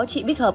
chị bích hợp